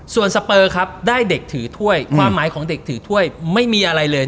ส่วนสเปอร์ครับได้เด็กถือถ้วยความหมายของเด็กถือถ้วยไม่มีอะไรเลย